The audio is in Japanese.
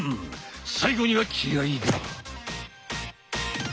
最後には気合いだ！